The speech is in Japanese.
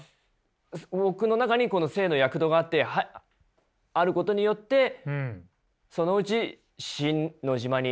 僕の中にこの生の躍動があることによってそのうちシン・ノジマに？